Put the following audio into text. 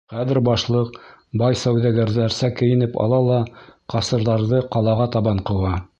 Хәҙер башлыҡ бай сауҙагәрҙәрсә кейенеп ала ла ҡасырҙарҙы ҡалаға табан ҡыуа.